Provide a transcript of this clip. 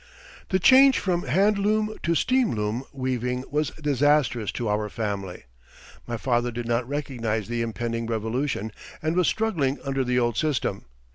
The change from hand loom to steam loom weaving was disastrous to our family. My father did not recognize the impending revolution, and was struggling under the old system.